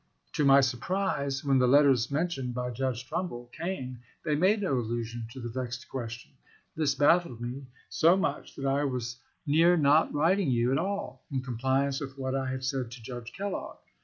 To my surprise, when the letters mentioned by Judge Trumbull came they made no allusion to the " vexed question." This baffled me so much that I was near not writing you at all, in compliance with what I had said to Judge Kel logg.